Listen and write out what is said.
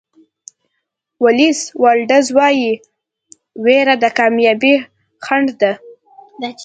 ولېس واټلز وایي وېره د کامیابۍ خنډ ده.